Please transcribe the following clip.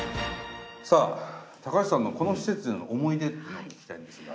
さあ高橋さんのこの施設での思い出っていうのを聞きたいんですが。